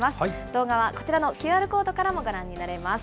動画はこちらのＱＲコードからもご覧になれます。